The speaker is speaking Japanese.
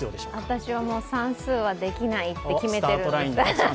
私は算数はできないって決めてるんです。